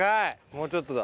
もうちょっとだ。